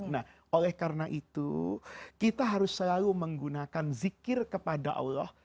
nah oleh karena itu kita harus selalu menggunakan zikir kepada allah